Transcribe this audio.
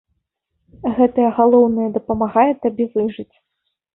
Гэтае галоўнае дапамагае табе выжыць.